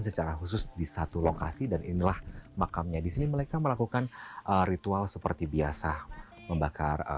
secara khusus di satu lokasi dan inilah makamnya disini mereka melakukan ritual seperti biasa membakar